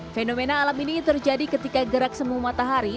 fenomena alam ini terjadi ketika gerak semu matahari